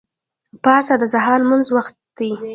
پاڅه! د سهار د لمونځ وخت دی.